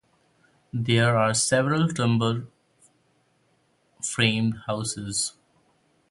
There are several timber framed houses.